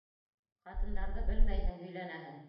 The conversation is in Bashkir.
Ҡатындарҙы белмәйһең, һөйләнәһең!